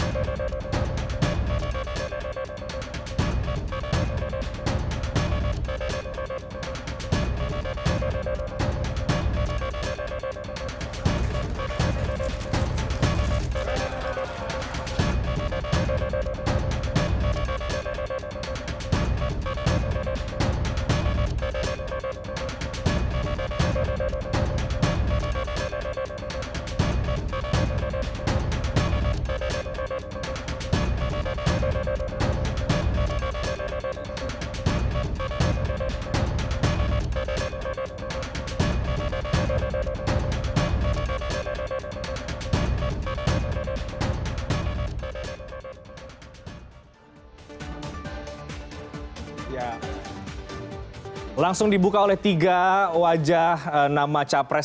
sinilah seorang f rs